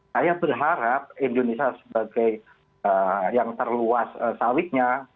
saya berharap indonesia sebagai yang terluas sawitnya